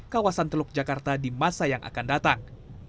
kawasan teluk jakarta di masa yang akan datang